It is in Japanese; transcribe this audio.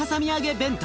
弁当。